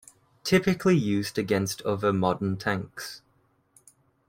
Typically used against other modern tanks.